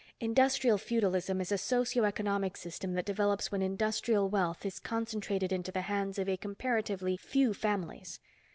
"Industrial feudalism is a socio economic system that develops when industrial wealth is concentrated into the hands of a comparatively few families.